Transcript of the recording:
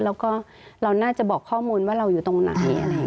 แล้วก็เราน่าจะบอกข้อมูลว่าเราอยู่ตรงหลังนี้